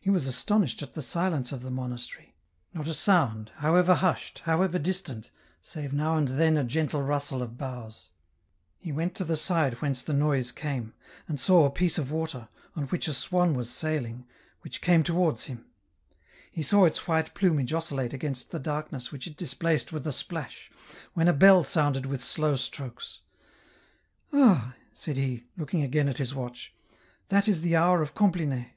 He was astonished at the silence of the monastery ; not a sound, however hushed, however distant, save now and then a gentle rustle of boughs ; he went to the side whence the noise came, and saw a piece of water, on which a swan was sailing, which came towards him. He saw its white plumage oscillate against the darkness which it displaced with a splash, when a bell sounded with slow strokes ;" Ah," said he, looking again at his watch, " that is the hour of Compline."